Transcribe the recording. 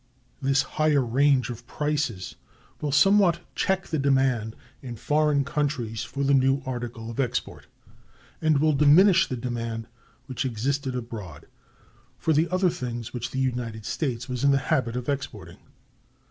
This higher range of prices will somewhat check the demand in foreign countries for the new article of export; and will diminish the demand which existed abroad for the other things which the United States was in the habit of exporting.